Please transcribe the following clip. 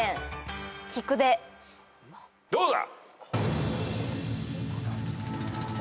どうだ？